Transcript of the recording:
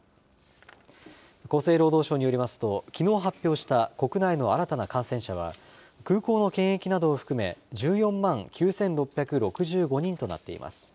厚生労働省によりますと、きのう発表した国内の新たな感染者は、空港の検疫などを含め、１４万９６６５人となっています。